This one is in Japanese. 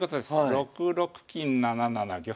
６六金７七玉。